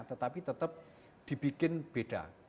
tetapi tetap dibikin beda